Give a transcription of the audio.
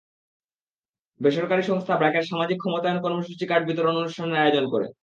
বেসরকারি সংস্থা ব্র্যাকের সামাজিক ক্ষমতায়ন কর্মসূচি কার্ড বিতরণ অনুষ্ঠানের আয়োজন করে।